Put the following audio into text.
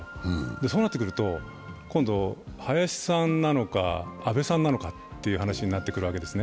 そうなってくると今度、林さんなのか、安倍さんなのかという話になってくるわけです。